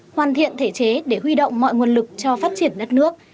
hoàn thiện thể chế để huy động mọi nguồn lực cho phát triển đất nước